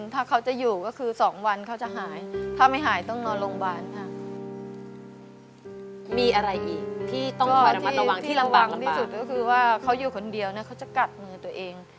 ที่ระวังที่สุดก็คือว่าเขาอยู่คนเดียวนะเขาก็จะกัดมือตัวเอง